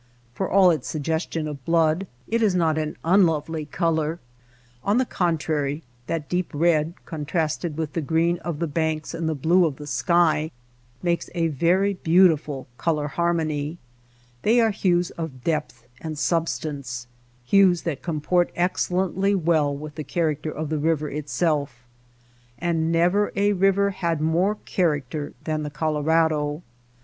For all its suggestion of blood it is not an unlovely color. On the contrary, that deep red contrasted with the green of the banks and the blue of the sky, makes a very beautiful color harmony. They are hues of depth and substance — hues that comport excellently well with the character of the river itself. And never a river had more THE SILENT RIVER 73 character than the Colorado.